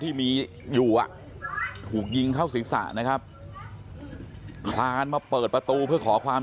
ที่มีอยู่อ่ะถูกยิงเข้าศีรษะนะครับคลานมาเปิดประตูเพื่อขอความ